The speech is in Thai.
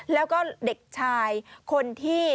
แล้วก็เด็กชายคนที่